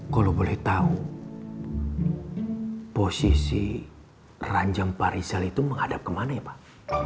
kalau boleh tahu posisi ranjang parisal itu menghadap kemana ya pak